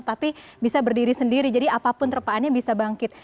tapi bisa berdiri sendiri jadi apapun terpaannya bisa bangkit